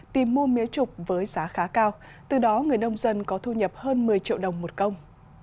tìm mua mía trục với giá khá cao từ đó người nông dân có thu nhập hơn một mươi triệu đồng một công